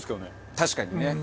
確かにね。